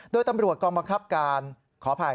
โดยตำรวจกองบังคับการขออภัย